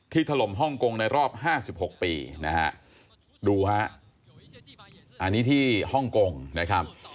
ถล่มฮ่องกงในรอบ๕๖ปีนะฮะดูฮะอันนี้ที่ฮ่องกงนะครับ